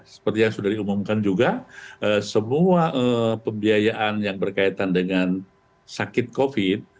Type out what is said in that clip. seperti yang sudah diumumkan juga semua pembiayaan yang berkaitan dengan sakit covid